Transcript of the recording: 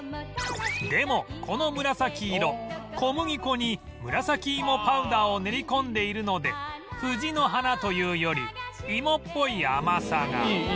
でもこの紫色小麦粉にムラサキイモパウダーを練り込んでいるので藤の花というより芋っぽい甘さが